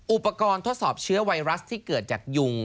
อุปกรณ์ทดสอบเชื้อไวรัสที่เกิดจากยุง